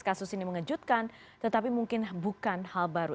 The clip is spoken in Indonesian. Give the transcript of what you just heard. kasus ini mengejutkan tetapi mungkin bukan hal baru